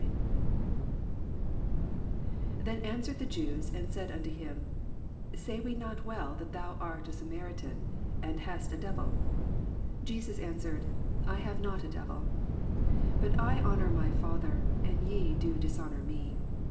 48 Then answered the Jews, and ■aid nato him, Say we not well that thou art a Samaritan and hast a devil 7 49 Jesns answered, I have not a deyil ; but I honour my father, and ye do dishonour me.